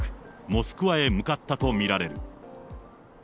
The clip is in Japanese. モスクワへ向かったと見られる。